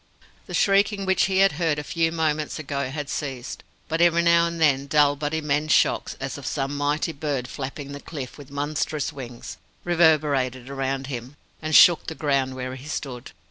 The shrieking which he had heard a few moments ago had ceased, but every now and then dull but immense shocks, as of some mighty bird flapping the cliff with monstrous wings, reverberated around him, and shook the ground where he stood.